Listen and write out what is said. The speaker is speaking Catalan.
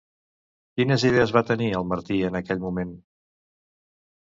Quines idees va tenir el Martí en aquell moment?